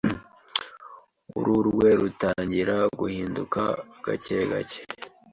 Uruhu rwe rutangira guhinduka gake gake.